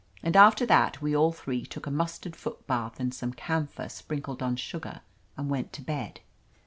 And after that we all three took a mustard foot bath and some camphor sprinkled on sugar and went to bed.